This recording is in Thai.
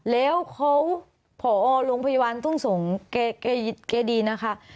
แล้วเขาผอโรงพยาบาลทุ่งสงศ์แกดีนะคะ